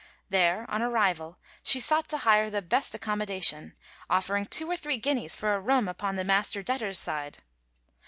There, on arrival, she sought to hire the best accommodation, offering two or three guineas for a room upon the Master Debtors' side.